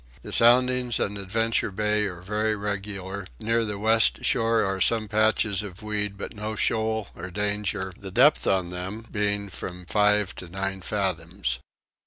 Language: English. The soundings in Adventure Bay are very regular: near the west shore are some patches of weed but no shoal or danger, the depth on them being from five to nine fathoms.